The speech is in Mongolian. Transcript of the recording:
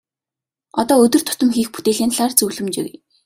Одоо өдөр тутам хийх бүтээлийн талаар зөвлөмж өгье.